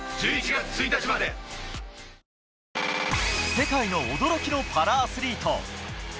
世界の驚きのパラアスリート。